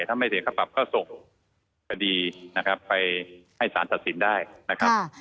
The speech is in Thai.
ถ้าไม่เสียความปรับก็ส่งคดีไปให้ศาลตัดสินได้นะครับ